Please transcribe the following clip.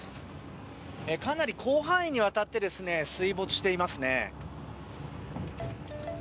かなり広範囲にわたって水没していますね。